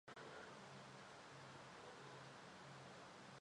Los anales reportan su muerte dos años más tarde, pero no mencionan la causa.